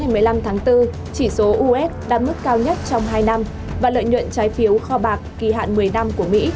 giọng sáng ngày một mươi năm tháng bốn chỉ số us đạt mức cao nhất trong hai năm và lợi nhuận trái phiếu kho bạc kỳ hạn một mươi năm của mỹ